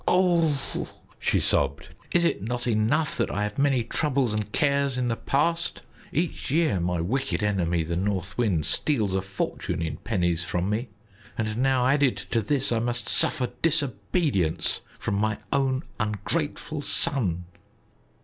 Oh!" she sobbed. "It is not enough that I have had many troubles and cares in the past; each year my wicked enemy, the North Wind, steals a fortune in pennies from me! And now added to this I must suffer disobedience from my own ungrateful son."